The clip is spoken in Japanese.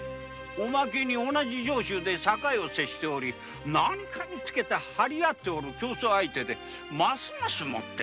おまけに同じ上州で境を接しており何かにつけて張り合っている競争相手でございまして。